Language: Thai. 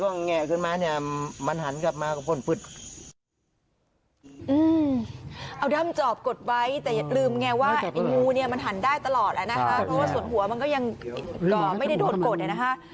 ว่าไอ้งูมันหันได้ตลอดแล้วนะคะเพราะว่าส่วนหัวมันก็ยังกรอบไม่ได้โดดกดเลยนะคะ